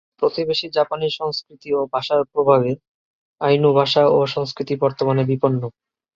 প্রতিবেশী জাপানি সংস্কৃতি ও ভাষার প্রভাবে আইনু ভাষা ও সংস্কৃতি বর্তমানে বিপন্ন।